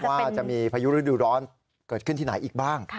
ว่าจะมีพายุฤดูร้อนเกิดขึ้นที่ไหนอีกบ้าง